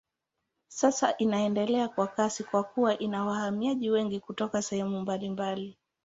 Sasa inaendelea kwa kasi kwa kuwa ina wahamiaji wengi kutoka sehemu mbalimbali.